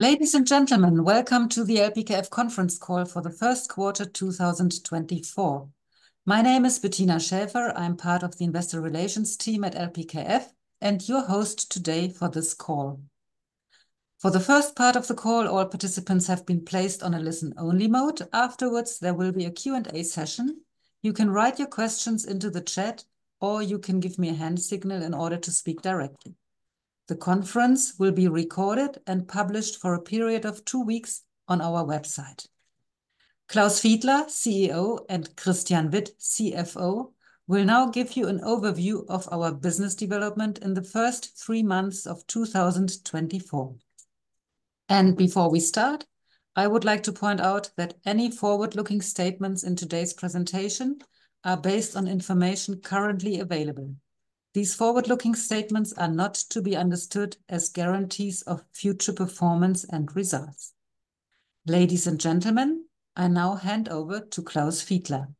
Ladies and gentlemen, welcome to the LPKF Conference Call for the First Quarter 2024. My name is Bettina Schäfer, I'm part of the investor relations team at LPKF, and your host today for this call. For the first part of the call, all participants have been placed on a listen-only mode. Afterwards, there will be a Q&A session. You can write your questions into the chat, or you can give me a hand signal in order to speak directly. The conference will be recorded and published for a period of two weeks on our website. Klaus Fiedler, CEO, and Christian Witt, CFO, will now give you an overview of our business development in the first three months of 2024. Before we start, I would like to point out that any forward-looking statements in today's presentation are based on information currently available. These forward-looking statements are not to be understood as guarantees of future performance and results. Ladies and gentlemen, I now hand over to Klaus Fiedler.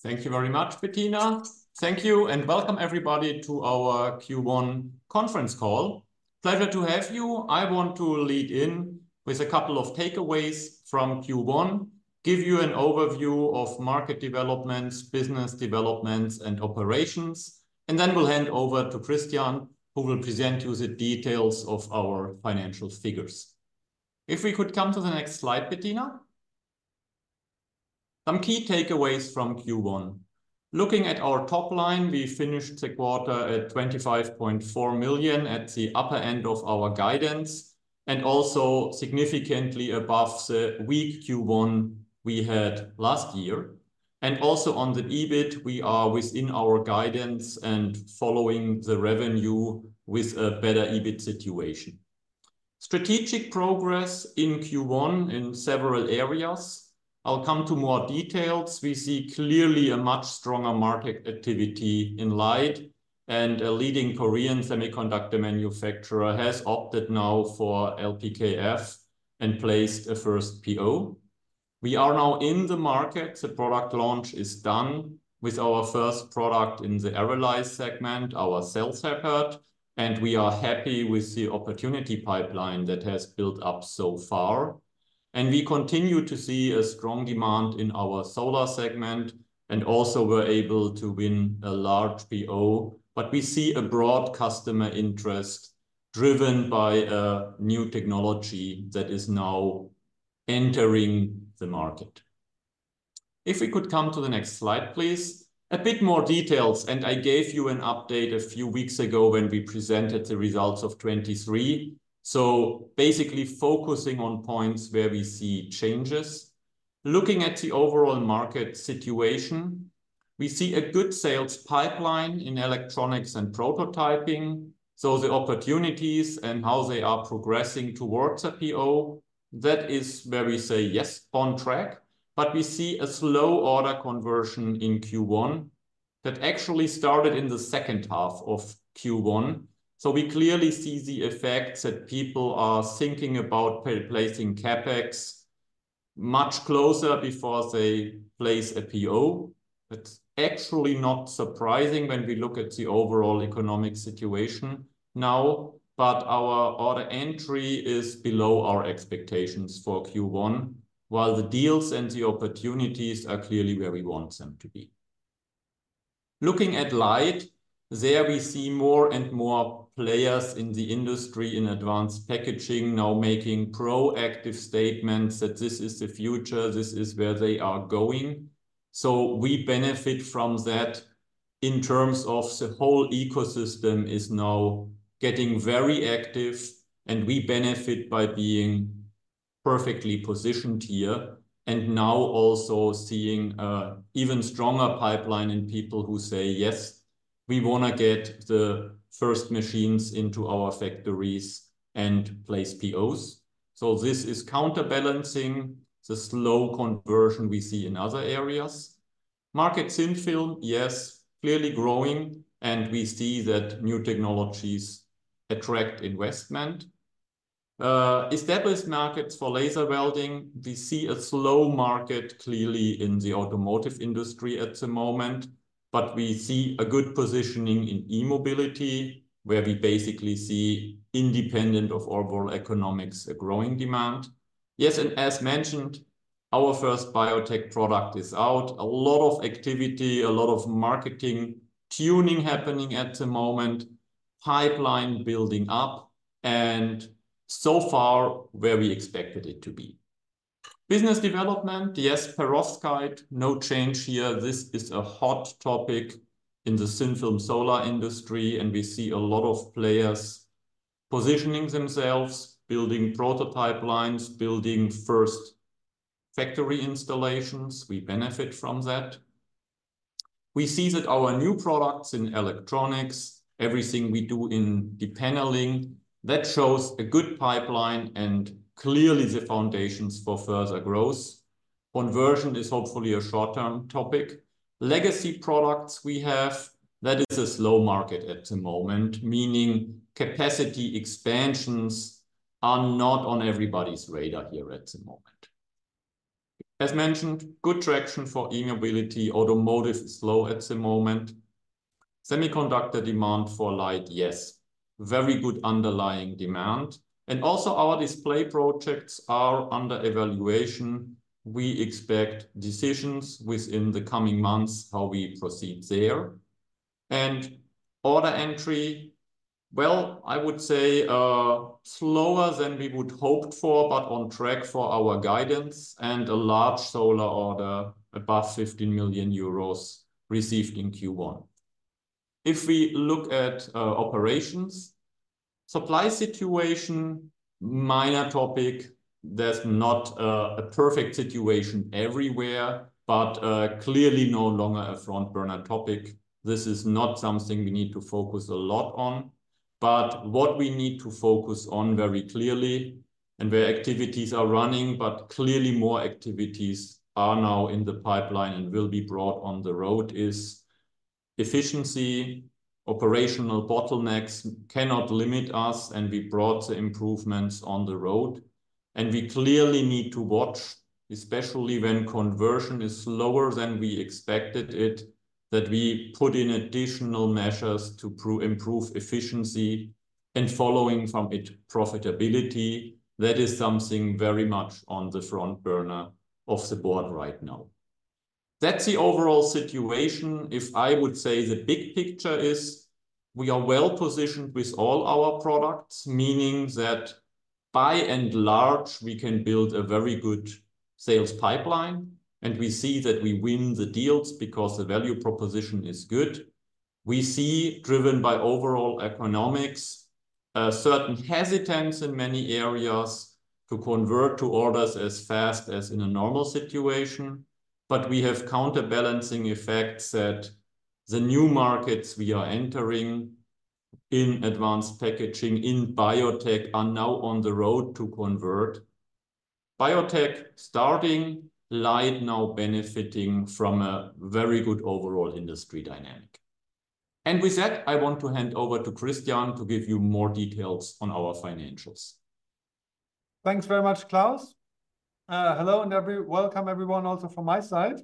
Thank you very much, Bettina. Thank you, and welcome everybody to our Q1 conference call. Pleasure to have you. I want to lead in with a couple of takeaways from Q1, give you an overview of market developments, business developments, and operations, and then we'll hand over to Christian, who will present you the details of our financial figures. If we could come to the next slide, Bettina. Some key takeaways from Q1. Looking at our top line, we finished the quarter at 25.4 million at the upper end of our guidance, and also significantly above the weak Q1 we had last year. And also on the EBIT, we are within our guidance and following the revenue with a better EBIT situation. Strategic progress in Q1 in several areas. I'll come to more details. We see clearly a much stronger market activity in LIDE, and a leading Korean semiconductor manufacturer has opted now for LPKF and placed a first PO. We are now in the market. The product launch is done with our first product in the ARRALYZE segment, our CellShepherd, and we are happy with the opportunity pipeline that has built up so far. We continue to see a strong demand in our Solar segment, and also were able to win a large PO, but we see a broad customer interest driven by a new technology that is now entering the market. If we could come to the next slide, please. A bit more details, and I gave you an update a few weeks ago when we presented the results of 2023. Basically focusing on points where we see changes. Looking at the overall market situation. We see a good sales pipeline in Electronics and prototyping. So the opportunities and how they are progressing towards a PO. That is where we say yes, on track, but we see a slow order conversion in Q1. That actually started in the second half of Q1. So we clearly see the effects that people are thinking about placing CapEx much closer before they place a PO. It's actually not surprising when we look at the overall economic situation now, but our order entry is below our expectations for Q1, while the deals and the opportunities are clearly where we want them to be. Looking at LIDE, there we see more and more players in the industry in advanced packaging now making proactive statements that this is the future. This is where they are going. So we benefit from that. In terms of the whole ecosystem is now getting very active, and we benefit by being perfectly positioned here, and now also seeing an even stronger pipeline in people who say yes. We want to get the first machines into our factories and place POs. So this is counterbalancing the slow conversion we see in other areas. Markets in film, yes, clearly growing, and we see that new technologies attract investment. Established markets for laser welding, we see a slow market clearly in the automotive industry at the moment, but we see a good positioning in e-mobility where we basically see independent of overall economics a growing demand. Yes, and as mentioned, our first biotech product is out. A lot of activity, a lot of marketing tuning happening at the moment. Pipeline building up. And so far where we expected it to be. Business development, yes, Perovskite, no change here. This is a hot topic in the thin-film solar industry, and we see a lot of players positioning themselves, building prototype lines, building first factory installations. We benefit from that. We see that our new products in Electronics, everything we do in the depaneling, that shows a good pipeline and clearly the foundations for further growth. Conversion is hopefully a short-term topic. Legacy products we have, that is a slow market at the moment, meaning capacity expansions are not on everybody's radar here at the moment. As mentioned, good traction for e-mobility. Automotive is slow at the moment. Semiconductor demand for LIDE, yes. Very good underlying demand. And also our display projects are under evaluation. We expect decisions within the coming months how we proceed there. And order entry. Well, I would say slower than we would hoped for, but on track for our guidance and a large Solar order above 15 million euros received in Q1. If we look at operations. Supply situation. Minor topic. There's not a perfect situation everywhere, but clearly no longer a front burner topic. This is not something we need to focus a lot on. But what we need to focus on very clearly. And where activities are running, but clearly more activities are now in the pipeline and will be brought on the road is efficiency. Operational bottlenecks cannot limit us, and we brought the improvements on the road. And we clearly need to watch, especially when conversion is slower than we expected it, that we put in additional measures to improve efficiency. And following from it, profitability. That is something very much on the front burner of the board right now. That's the overall situation. If I would say, the big picture is we are well positioned with all our products, meaning that by and large we can build a very good sales pipeline. And we see that we win the deals because the value proposition is good. We see, driven by overall economics, certain hesitance in many areas to convert to orders as fast as in a normal situation. But we have counterbalancing effects that the new markets we are entering in advanced packaging in biotech are now on the road to convert. Biotech starting LIDE now benefiting from a very good overall industry dynamic. And with that, I want to hand over to Christian to give you more details on our financials. Thanks very much, Klaus. Hello and welcome everyone also from my side.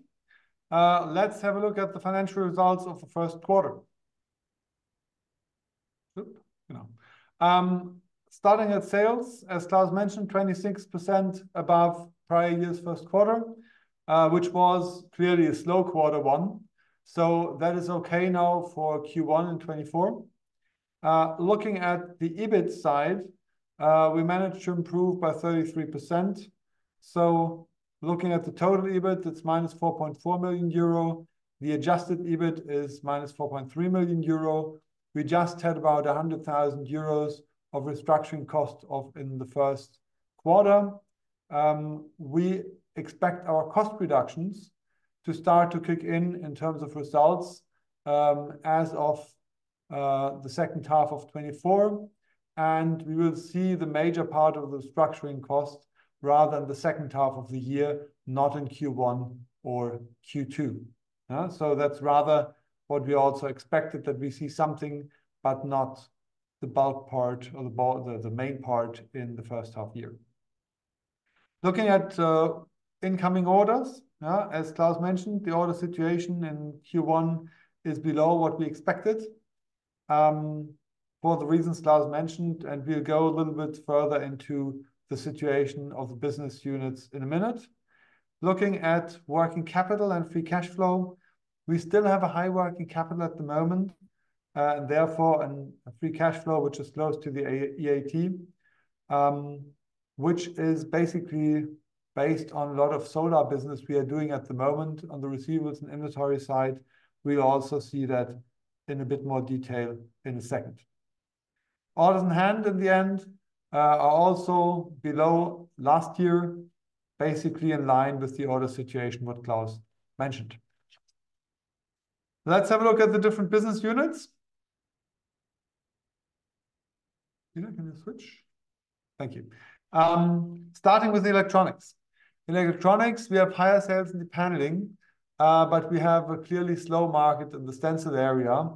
Let's have a look at the financial results of the first quarter. Starting at sales, as Klaus mentioned, 26% above prior year's first quarter. Which was clearly a slow quarter one. So that is okay now for Q1 and 2024. Looking at the EBIT side. We managed to improve by 33%. So looking at the total EBIT, it's -4.4 million euro. The adjusted EBIT is -4.3 million euro. We just had about 100,000 euros of restructuring costs in the first quarter. We expect our cost reductions to start to kick in in terms of results as of the second half of 2024. And we will see the major part of the restructuring cost rather than the second half of the year, not in Q1 or Q2. So that's rather what we also expected, that we see something, but not the bulk part or the main part in the first half year. Looking at incoming orders, as Klaus mentioned, the order situation in Q1 is below what we expected. For the reasons Klaus mentioned, and we'll go a little bit further into the situation of the business units in a minute. Looking at working capital and free cash flow. We still have a high working capital at the moment. And therefore a free cash flow, which is close to the EAT. Which is basically based on a lot of solar business we are doing at the moment on the receivables and inventory side. We also see that in a bit more detail in a second. Orders in hand in the end are also below last year. Basically in line with the order situation what Klaus mentioned. Let's have a look at the different business units. Can you switch? Thank you. Starting with the Electronics. In Electronics, we have higher sales in the depaneling. But we have a clearly slow market in the stencil area.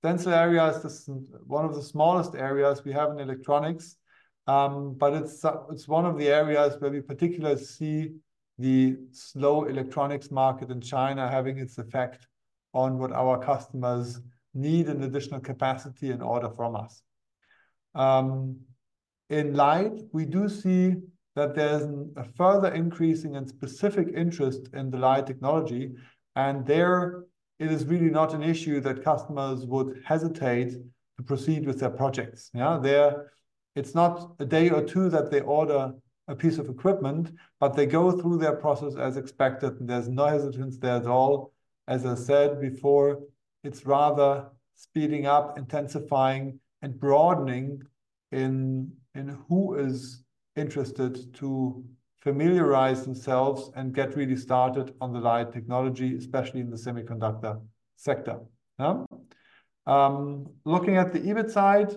Stencil area is one of the smallest areas we have in Electronics. But it's one of the areas where we particularly see the slow Electronics market in China having its effect on what our customers need in additional capacity and order from us. In LIDE, we do see that there's a further increasing and specific interest in the LIDE technology. And there it is really not an issue that customers would hesitate to proceed with their projects. Yeah, it's not a day or two that they order a piece of equipment, but they go through their process as expected and there's no hesitance there at all. As I said before, it's rather speeding up, intensifying, and broadening in who is interested to familiarize themselves and get really started on the LIDE technology, especially in the semiconductor sector. Looking at the EBIT side.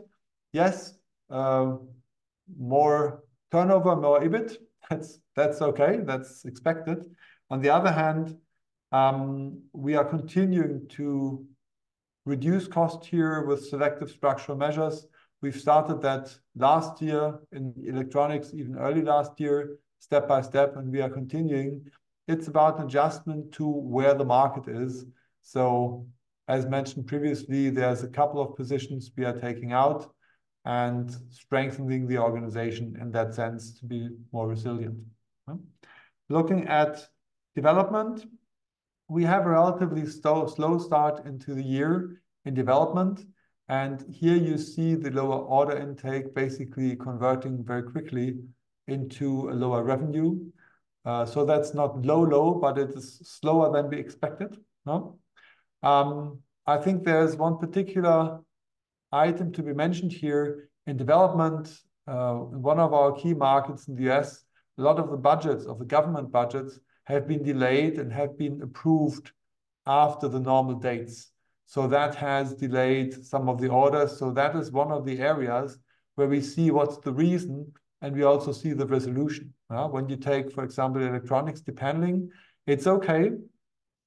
Yes. More turnover, more EBIT. That's okay. That's expected. On the other hand, we are continuing to reduce cost here with selective structural measures. We've started that last year in Electronics, even early last year, step by step, and we are continuing. It's about an adjustment to where the market is. So as mentioned previously, there's a couple of positions we are taking out. And strengthening the organization in that sense to be more resilient. Looking at development. We have a relatively slow start into the year in development. And here you see the lower order intake basically converting very quickly into a lower revenue. So that's not low, low, but it is slower than we expected. I think there's one particular item to be mentioned here in development. One of our key markets in the U.S., a lot of the budgets of the government budgets have been delayed and have been approved after the normal dates. So that has delayed some of the orders. So that is one of the areas where we see what's the reason and we also see the resolution. When you take, for example, electronics depaneling, it's okay.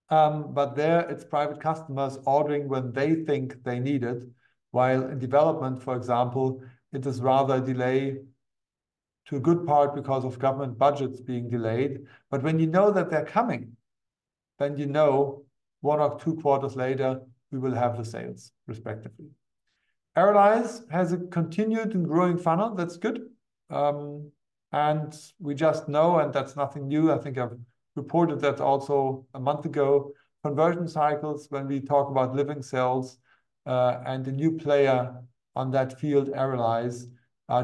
But there it's private customers ordering when they think they need it. While in development, for example, it is rather a delay. To a good part because of government budgets being delayed, but when you know that they're coming, then you know one or two quarters later we will have the sales respectively. ARRALYZE has a continued and growing funnel. That's good. We just know and that's nothing new. I think I've reported that also a month ago. Conversion cycles when we talk about living cells. The new player on that field, ARRALYZE, is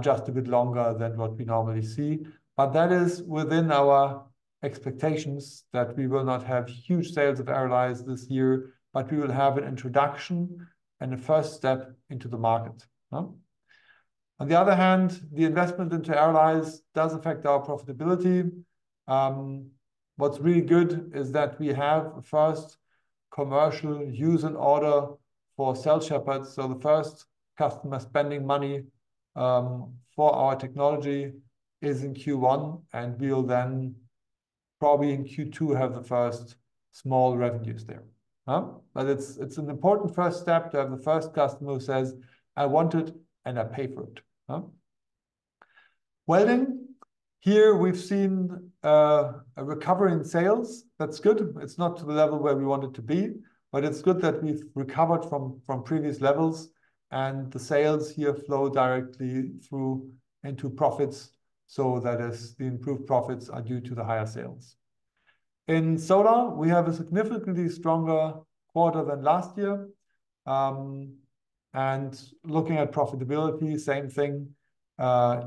just a bit longer than what we normally see. But that is within our expectations that we will not have huge sales of ARRALYZE this year, but we will have an introduction and a first step into the market. On the other hand, the investment into ARRALYZE does affect our profitability. What's really good is that we have a first commercial use and order for CellShepherd. So the first customer spending money for our technology is in Q1 and we'll then probably in Q2 have the first small revenues there. But it's an important first step to have the first customer who says, I want it and I pay for it. Welding. Here we've seen a recovery in sales. That's good. It's not to the level where we wanted to be, but it's good that we've recovered from previous levels. The sales here flow directly through into profits. That is the improved profits are due to the higher sales. In Solar, we have a significantly stronger quarter than last year. Looking at profitability, same thing.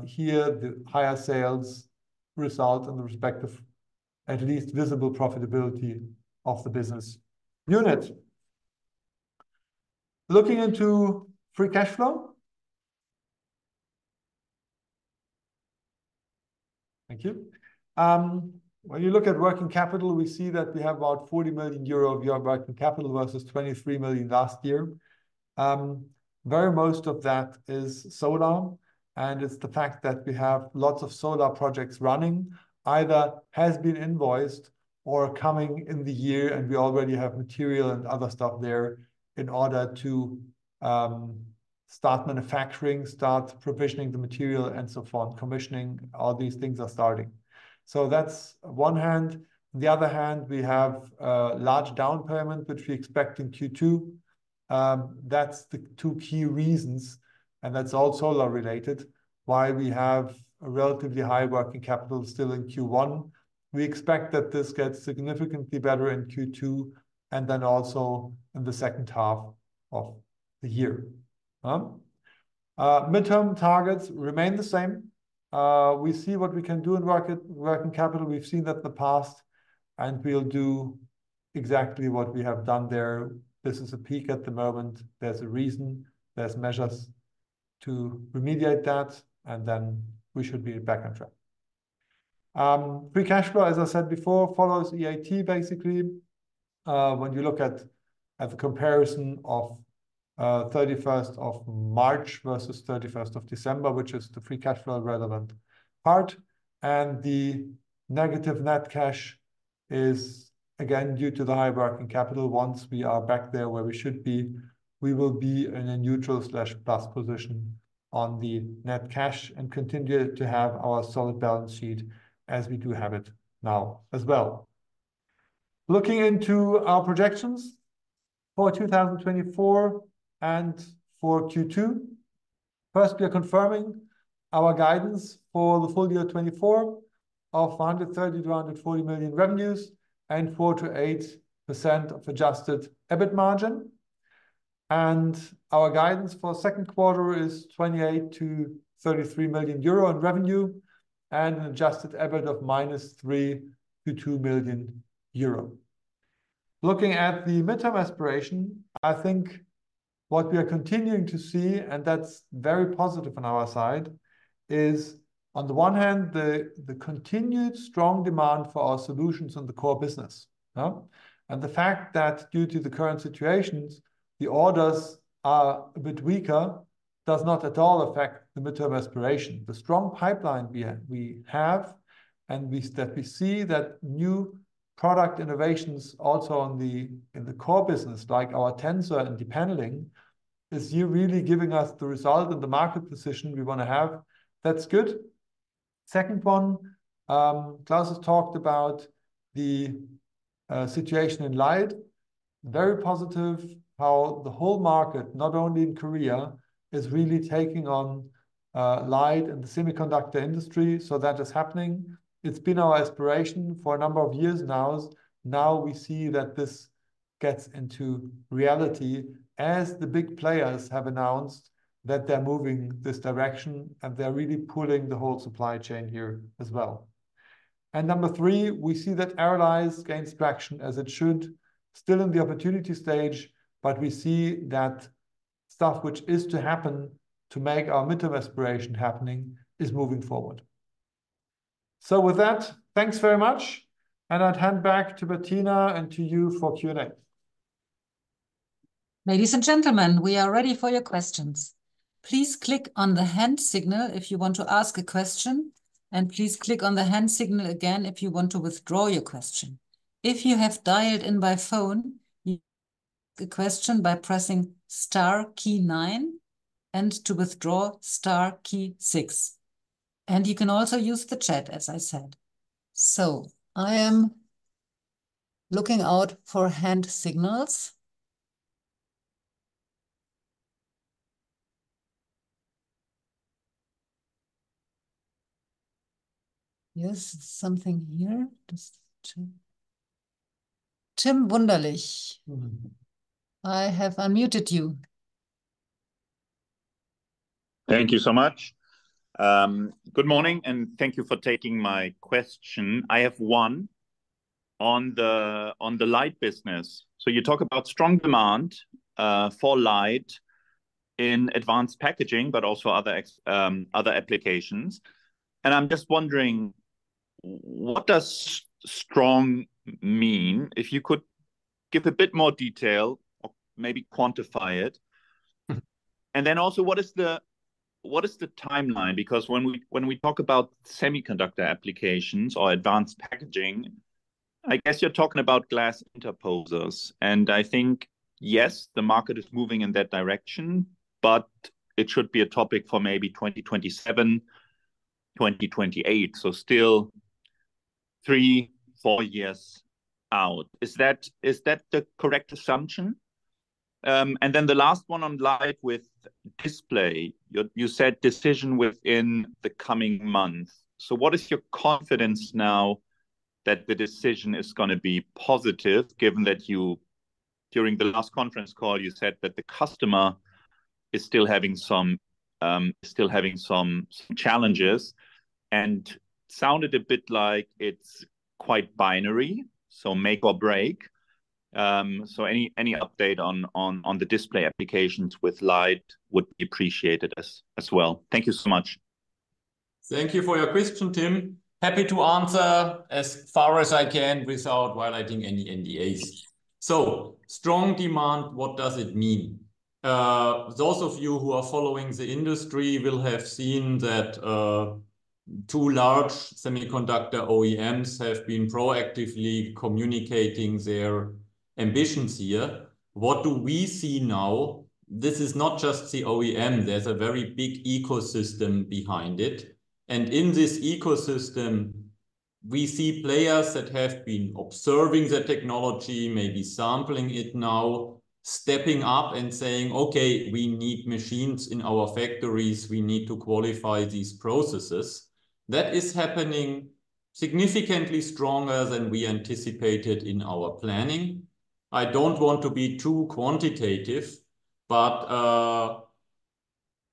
Here the higher sales result in the respective at least visible profitability of the business unit. Looking into free cash flow. Thank you. When you look at working capital, we see that we have about 40 million euro of your working capital versus 23 million last year. Very most of that is Solar. It's the fact that we have lots of Solar projects running, either has been invoiced or coming in the year and we already have material and other stuff there in order to start manufacturing, start provisioning the material and so on, commissioning, all these things are starting. So that's one hand. On the other hand, we have a large down payment, which we expect in Q2. That's the two key reasons. And that's all Solar related. Why we have a relatively high working capital still in Q1. We expect that this gets significantly better in Q2 and then also in the second half of the year. Midterm targets remain the same. We see what we can do in working capital. We've seen that in the past. And we'll do exactly what we have done there. This is a peak at the moment. There's a reason. There's measures to remediate that and then we should be back on track. Free cash flow, as I said before, follows EAT basically. When you look at a comparison of 31st of March versus 31st of December, which is the free cash flow relevant part. And the negative net cash is again due to the high working capital. Once we are back there where we should be, we will be in a neutral/plus position on the net cash and continue to have our solid balance sheet as we do have it now as well. Looking into our projections. For 2024 and for Q2. First, we are confirming our guidance for the full year 2024 of 130 million-140 million revenues and 4%-8% of adjusted EBIT margin. And our guidance for second quarter is 28 million-33 million euro in revenue. An adjusted EBIT of -3 million to 2 million euro. Looking at the midterm aspiration, I think what we are continuing to see, and that's very positive on our side, is on the one hand, the continued strong demand for our solutions in the core business. The fact that due to the current situations, the orders are a bit weaker, does not at all affect the midterm aspiration. The strong pipeline we have and that we see that new product innovations also in the core business like our stencil and depaneling is really giving us the result and the market position we want to have. That's good. Second one, Klaus has talked about the situation in LIDE. Very positive how the whole market, not only in Korea, is really taking on LIDE and the semiconductor industry. So that is happening. It's been our aspiration for a number of years now. Now we see that this gets into reality as the big players have announced that they're moving this direction and they're really pulling the whole supply chain here as well. And number three, we see that ARRALYZE gains traction as it should. Still in the opportunity stage, but we see that stuff which is to happen to make our midterm aspiration happening is moving forward. So with that, thanks very much. And I'd hand back to Bettina and to you for Q&A. Ladies and gentlemen, we are ready for your questions. Please click on the hand signal if you want to ask a question. Please click on the hand signal again if you want to withdraw your question. If you have dialed in by phone, you ask a question by pressing star key nine. To withdraw, star key six. You can also use the chat, as I said. I am looking out for hand signals. Yes, something here. Tim Wunderlich. I have unmuted you. Thank you so much. Good morning and thank you for taking my question. I have one. On the LIDE business. So you talk about strong demand for LIDE in advanced packaging, but also other applications. And I'm just wondering, what does strong mean if you could give a bit more detail or maybe quantify it? And then also what is the timeline? Because when we talk about semiconductor applications or advanced packaging, I guess you're talking about glass interposers. And I think yes, the market is moving in that direction, but it should be a topic for maybe 2027, 2028, so still three, four years out. Is that the correct assumption? And then the last one on LIDE with display, you said decision within the coming month. What is your confidence now that the decision is going to be positive given that you during the last conference call you said that the customer is still having some challenges and sounded a bit like it's quite binary, so make or break. Any update on the display applications with LIDE would be appreciated as well. Thank you so much. Thank you for your question, Tim. Happy to answer as far as I can without violating any NDAs. Strong demand, what does it mean? Those of you who are following the industry will have seen that two large semiconductor OEMs have been proactively communicating their ambitions here. What do we see now? This is not just the OEM. There's a very big ecosystem behind it. In this ecosystem, we see players that have been observing the technology, maybe sampling it now, stepping up and saying, okay, we need machines in our factories. We need to qualify these processes. That is happening significantly stronger than we anticipated in our planning. I don't want to be too quantitative. But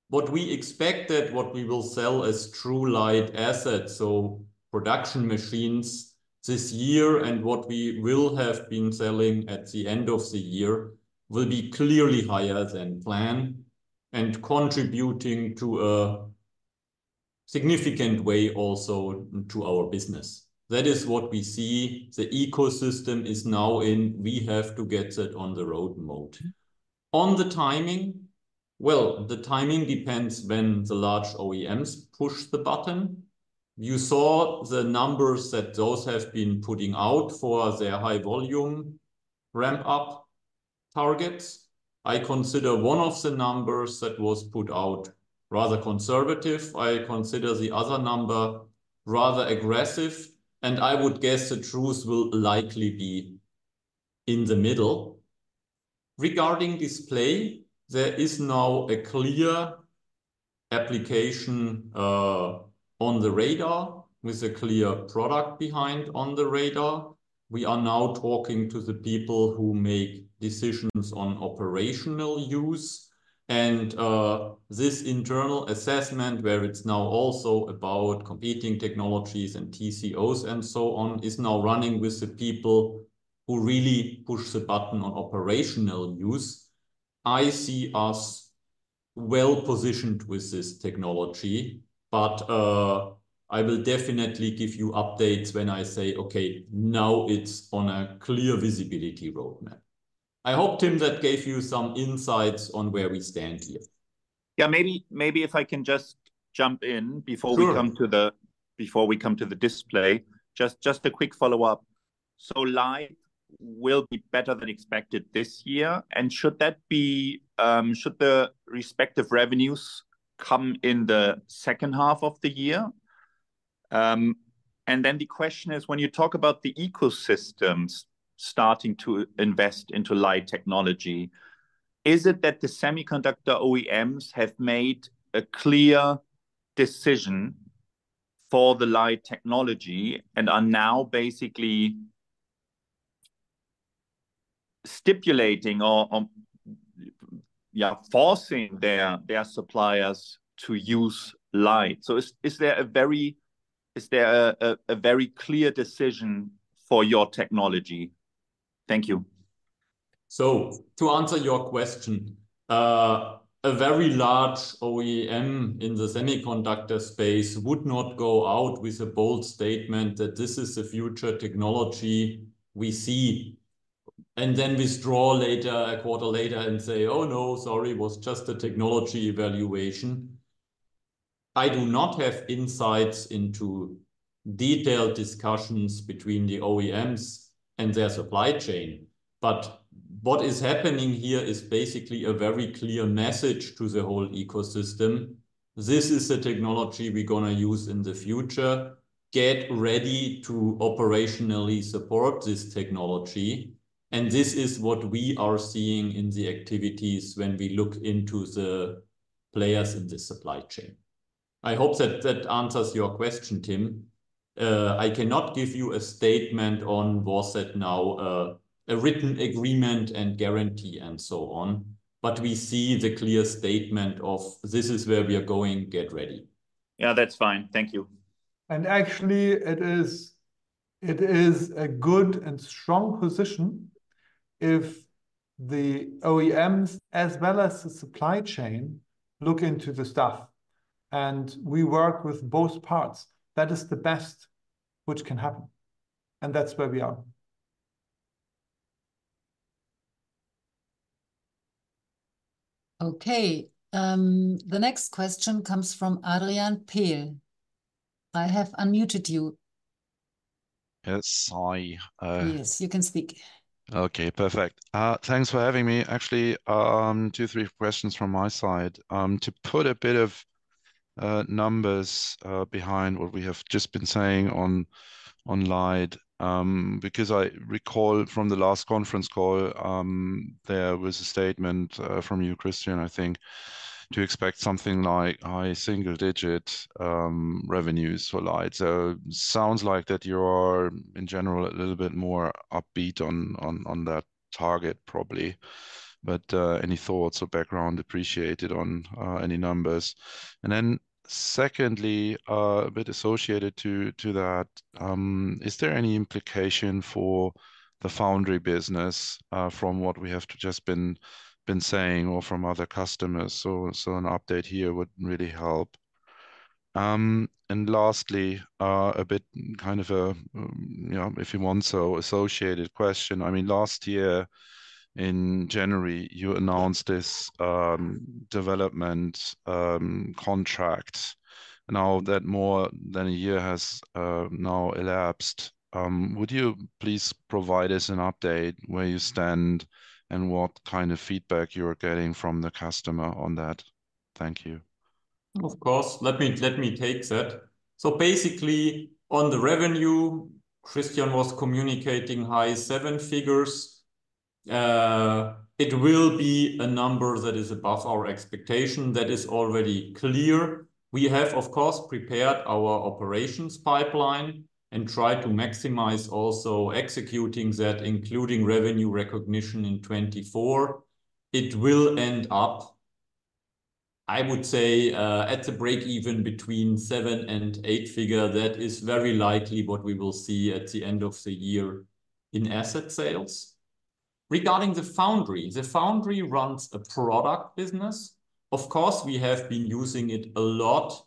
what we expect is that what we will sell as true LIDE assets, so production machines this year and what we will have been selling at the end of the year, will be clearly higher than planned. And contributing in a significant way also to our business. That is what we see. The ecosystem is now in; we have to get it on the road mode. On the timing. Well, the timing depends when the large OEMs push the button. You saw the numbers that those have been putting out for their high volume ramp up targets. I consider one of the numbers that was put out rather conservative. I consider the other number rather aggressive. And I would guess the truth will likely be in the middle. Regarding display, there is now a clear application on the radar with a clear product behind on the radar. We are now talking to the people who make decisions on operational use. And this internal assessment where it's now also about competing technologies and TCOs and so on is now running with the people who really push the button on operational use. I see us well positioned with this technology, but I will definitely give you updates when I say, okay, now it's on a clear visibility roadmap. I hope, Tim, that gave you some insights on where we stand here. Yeah, maybe if I can just jump in before we come to the display, just a quick follow-up. So LIDE will be better than expected this year. And should that be, should the respective revenues come in the second half of the year? And then the question is when you talk about the ecosystems starting to invest into LIDE technology, is it that the semiconductor OEMs have made a clear decision for the LIDE technology and are now basically stipulating or forcing their suppliers to use LIDE? So is there a very clear decision for your technology? Thank you. So to answer your question, a very large OEM in the semiconductor space would not go out with a bold statement that this is the future technology we see. And then withdraw a quarter later and say, oh no, sorry, it was just a technology evaluation. I do not have insights into detailed discussions between the OEMs and their supply chain. But what is happening here is basically a very clear message to the whole ecosystem. This is the technology we're going to use in the future. Get ready to operationally support this technology. And this is what we are seeing in the activities when we look into the players in the supply chain. I hope that answers your question, Tim. I cannot give you a statement on what's that now, a written agreement and guarantee and so on. But we see the clear statement of this is where we are going, get ready. Yeah, that's fine. Thank you. Actually it is a good and strong position if the OEMs as well as the supply chain look into the stuff. And we work with both parts. That is the best which can happen. And that's where we are. Okay. The next question comes from Adrian Pehl. I have unmuted you. Yes, hi. Yes, you can speak. Okay, perfect. Thanks for having me. Actually, two, three questions from my side. To put a bit of numbers behind what we have just been saying on LIDE. Because I recall from the last conference call, there was a statement from you, Christian, I think, to expect something like high single digit revenues for LIDE. So it sounds like that you are in general a little bit more upbeat on that target probably. But any thoughts or background appreciated on any numbers. And then secondly, a bit associated to that, is there any implication for the foundry business from what we have just been saying or from other customers? So an update here would really help. And lastly, a bit kind of a, if you want so, associated question. I mean, last year in January, you announced this development contract. Now that more than a year has now elapsed, would you please provide us an update where you stand and what kind of feedback you are getting from the customer on that? Thank you. Of course, let me take that. So basically on the revenue, Christian was communicating high seven figures. It will be a number that is above our expectation. That is already clear. We have, of course, prepared our operations pipeline and tried to maximize also executing that, including revenue recognition in 2024. It will end up, I would say, at the break-even between seven and eight figures. That is very likely what we will see at the end of the year in asset sales. Regarding the foundry, the foundry runs a product business. Of course, we have been using it a lot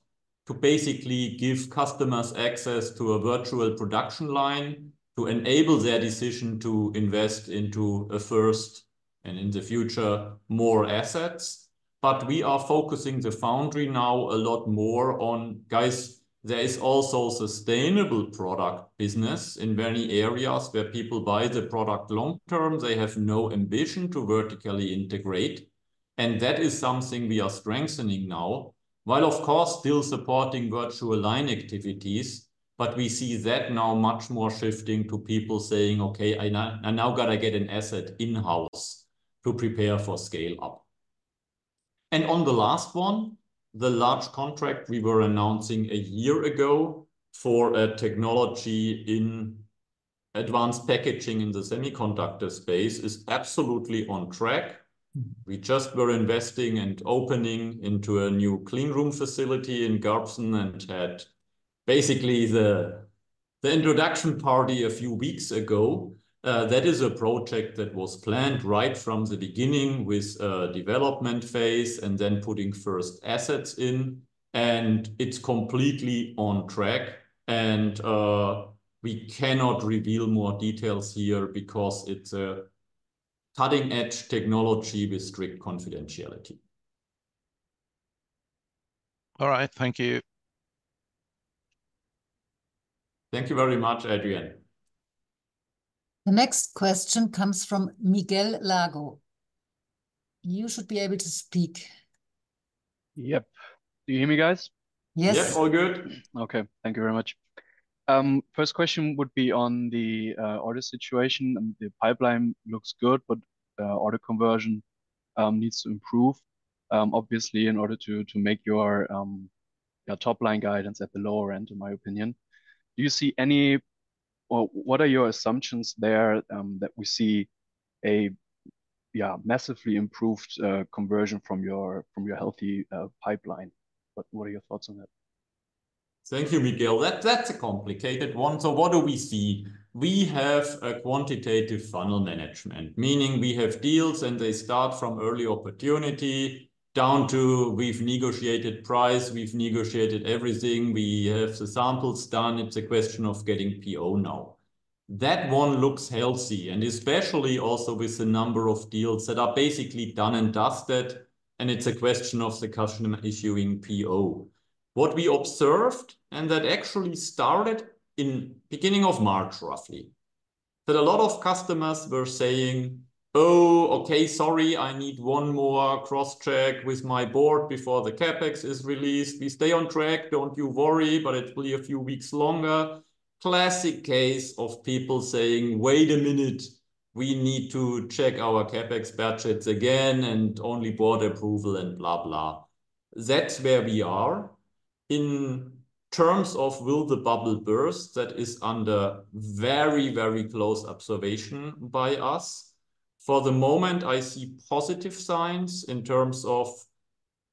to basically give customers access to a virtual production line to enable their decision to invest into a first and in the future more assets. But we are focusing the foundry now a lot more on LIDE, there is also sustainable product business in many areas where people buy the product long term. They have no ambition to vertically integrate. And that is something we are strengthening now. While, of course, still supporting virtual line activities, but we see that now much more shifting to people saying, okay, I now got to get an asset in-house to prepare for scale up. And on the last one, the large contract we were announcing a year ago for a technology in advanced packaging in the semiconductor space is absolutely on track. We just were investing and opening into a new clean room facility in Garbsen and had basically the introduction party a few weeks ago. That is a project that was planned right from the beginning with a development phase and then putting first assets in. It's completely on track. We cannot reveal more details here because it's a cutting-edge technology with strict confidentiality. All right, thank you. Thank you very much, Adrian. The next question comes from Miguel Lago. You should be able to speak. Yep. Do you hear me, guys? Yes. Yep, all good. Okay, thank you very much. First question would be on the order situation. The pipeline looks good, but order conversion needs to improve. Obviously, in order to make your top line guidance at the lower end, in my opinion. Do you see any or what are your assumptions there that we see a massively improved conversion from your healthy pipeline? What are your thoughts on that? Thank you, Miguel. That's a complicated one. So what do we see? We have a quantitative funnel management, meaning we have deals and they start from early opportunity down to we've negotiated price, we've negotiated everything. We have the samples done. It's a question of getting PO now. That one looks healthy and especially also with the number of deals that are basically done and dusted. And it's a question of the customer issuing PO. What we observed and that actually started in the beginning of March, roughly. That a lot of customers were saying, oh, okay, sorry, I need one more cross-check with my board before the CapEx is released. We stay on track, don't you worry, but it'll be a few weeks longer. Classic case of people saying, wait a minute, we need to check our CapEx budgets again and only board approval and blah, blah. That's where we are. In terms of will the bubble burst, that is under very, very close observation by us. For the moment, I see positive signs in terms of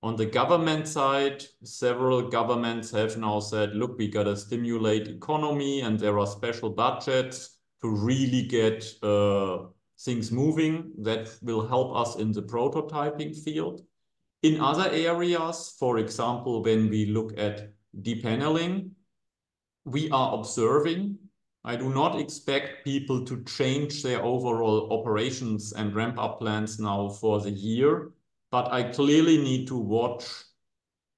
on the government side, several governments have now said, look, we got to stimulate the economy and there are special budgets to really get things moving that will help us in the prototyping field. In other areas, for example, when we look at depaneling, we are observing. I do not expect people to change their overall operations and ramp up plans now for the year. But I clearly need to watch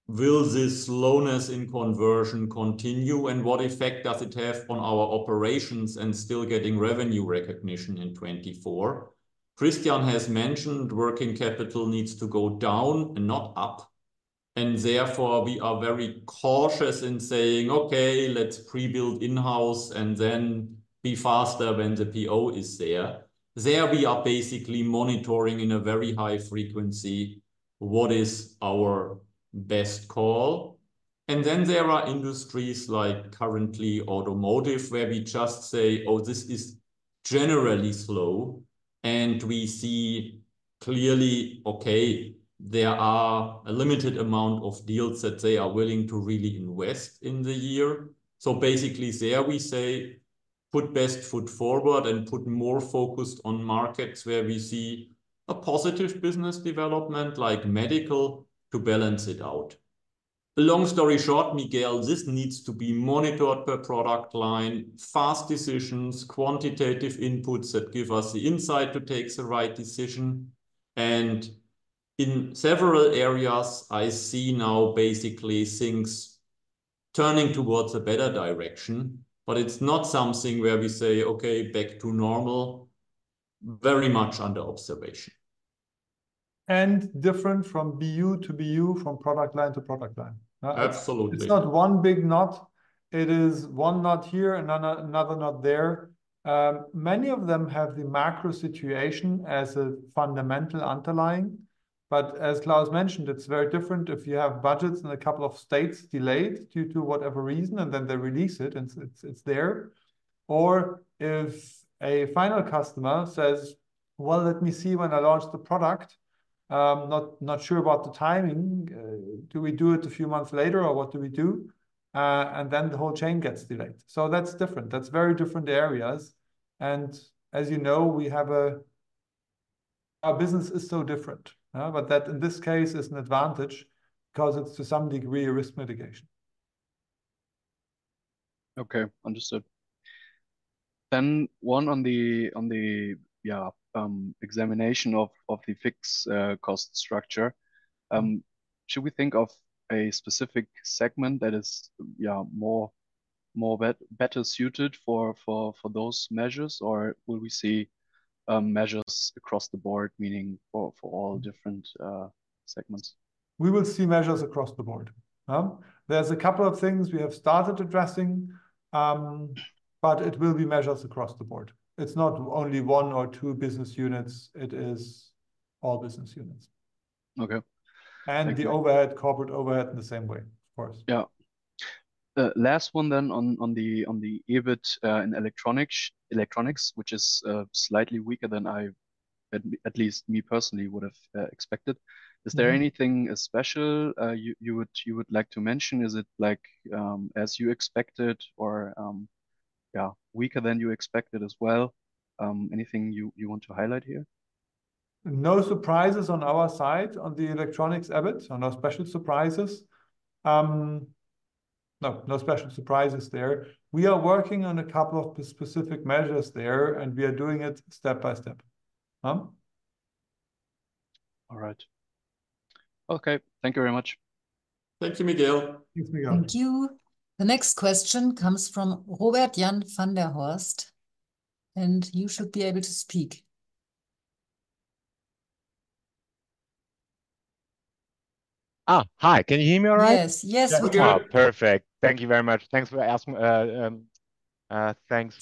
will this slowness in conversion continue and what effect does it have on our operations and still getting revenue recognition in 2024. Christian has mentioned working capital needs to go down and not up. Therefore we are very cautious in saying, okay, let's pre-build in-house and then be faster when the PO is there. There we are basically monitoring in a very high frequency what is our best call. Then there are industries like currently automotive where we just say, oh, this is generally slow. And we see clearly, okay, there are a limited amount of deals that they are willing to really invest in the year. So basically there we say put best foot forward and put more focus on markets where we see a positive business development like medical to balance it out. Long story short, Miguel, this needs to be monitored per product line, fast decisions, quantitative inputs that give us the insight to take the right decision. In several areas I see now basically things turning toward a better direction, but it's not something where we say, okay, back to normal. Very much under observation. Different from BU to BU, from product line to product line. Absolutely. It's not one big knot. It is one knot here and another knot there. Many of them have the macro situation as a fundamental underlying. But as Klaus mentioned, it's very different if you have budgets in a couple of states delayed due to whatever reason and then they release it and it's there. Or if a final customer says, well, let me see when I launched the product. Not sure about the timing. Do we do it a few months later or what do we do? And then the whole chain gets delayed. So that's different. That's very different areas. And as you know, we have our business is so different. But that in this case is an advantage because it's to some degree risk mitigation. Okay, understood. Then one on the examination of the fixed cost structure. Should we think of a specific segment that is more better suited for those measures or will we see measures across the board, meaning for all different segments? We will see measures across the board. There's a couple of things we have started addressing. But it will be measures across the board. It's not only one or two business units. It is all business units. Okay. And the corporate overhead in the same way, of course. Yeah. Last one then on the EBIT in electronics, which is slightly weaker than I at least me personally would have expected. Is there anything special you would like to mention? Is it like as you expected or weaker than you expected as well? Anything you want to highlight here? No surprises on our side on the electronics EBIT. No special surprises. No, no special surprises there. We are working on a couple of specific measures there and we are doing it step by step. All right. Okay, thank you very much. Thank you, Miguel. Thanks, Miguel. Thank you. The next question comes from Robert-Jan van der Horst. You should be able to speak. Hi, can you hear me all right? Yes, yes, we can. Good job, perfect. Thank you very much. Thanks for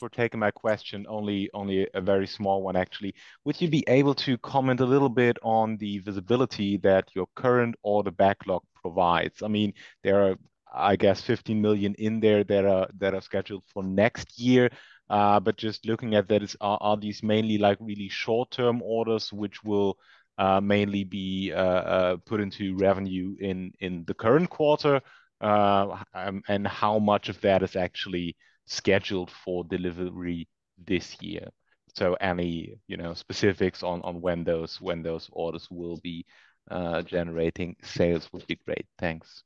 taking my question, only a very small one actually. Would you be able to comment a little bit on the visibility that your current order backlog provides? I mean, there are, I guess, 15 million in there that are scheduled for next year. But just looking at that, are these mainly really short-term orders which will mainly be put into revenue in the current quarter? And how much of that is actually scheduled for delivery this year? So any specifics on when those orders will be generating sales would be great. Thanks.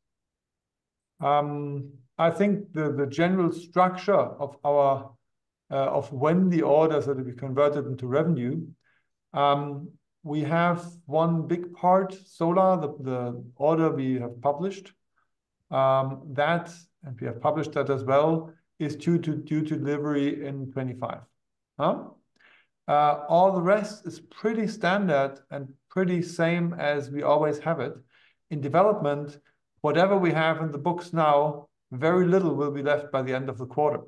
I think the general structure of when the orders are to be converted into revenue. We have one big part, Solar, the order we have published. And we have published that as well is due to delivery in 2025. All the rest is pretty standard and pretty same as we always have it. In development, whatever we have in the books now, very little will be left by the end of the quarter.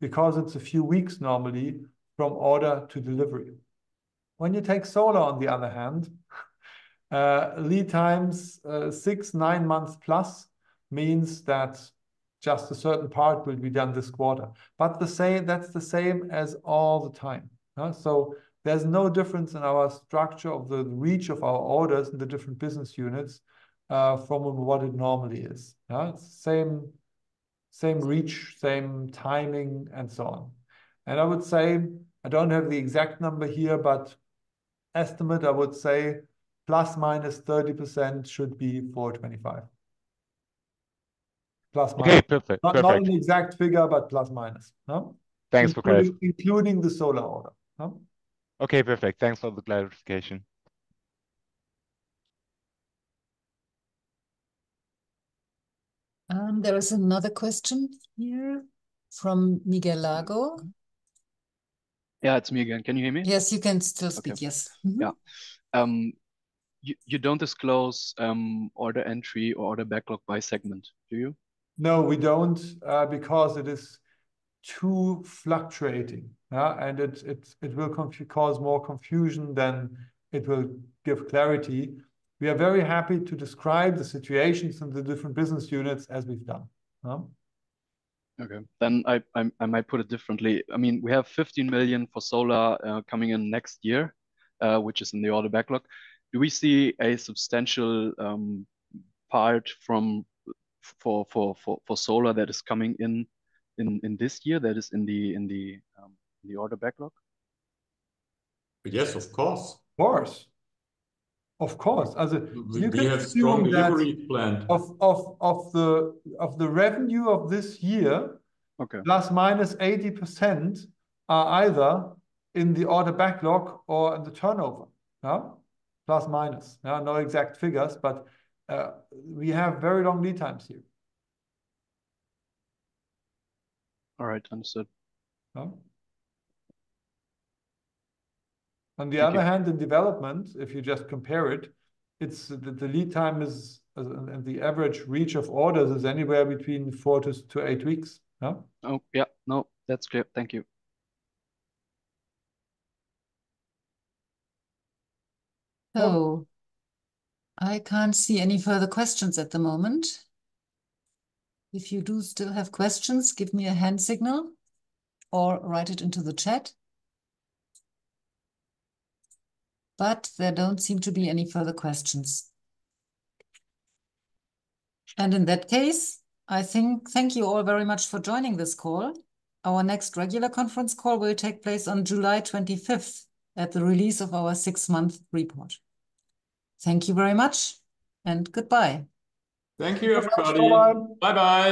Because it's a few weeks normally from order to delivery. When you take Solar on the other hand, lead times six, nine months plus means that just a certain part will be done this quarter. But that's the same as all the time. So there's no difference in our structure of the reach of our orders in the different business units from what it normally is. Same reach, same timing, and so on. I would say I don't have the exact number here, but estimate I would say ±30% should be for 2025, plus minus. Okay, perfect. Perfect. Not an exact figure, but plus minus. Thanks for clarification. Including the Solar order. Okay, perfect. Thanks for the clarification. There is another question here from Miguel Lago. Yeah, it's Miguel. Can you hear me? Yes, you can still speak, yes. Yeah. You don't disclose order entry or order backlog by segment, do you? No, we don't because it is too fluctuating. It will cause more confusion than it will give clarity. We are very happy to describe the situations in the different business units as we've done. Okay, then I might put it differently. I mean, we have 15 million for Solar coming in next year, which is in the order backlog. Do we see a substantial part for Solar that is coming in this year that is in the order backlog? Yes, of course. Of course. Of course. As you can assume that. We have strong delivery planned. Of the revenue of this year, ±80% are either in the order backlog or in the turnover. Plus minus. No exact figures, but we have very long lead times here. All right, understood. On the other hand, in development, if you just compare it, the lead time and the average reach of orders is anywhere between four to eight weeks. Oh, yeah. No, that's clear. Thank you. So I can't see any further questions at the moment. If you do still have questions, give me a hand signal. Or write it into the chat. But there don't seem to be any further questions. And in that case, I think thank you all very much for joining this call. Our next regular conference call will take place on July 25th at the release of our six-month report. Thank you very much. And goodbye. Thank you, everybody. Thanks for the time. Bye-bye.